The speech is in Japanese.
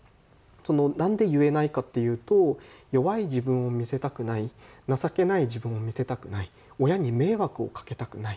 なんで言えないかっていうと弱い自分を見せたくない情けない自分を見せたくない親に迷惑をかけたくない。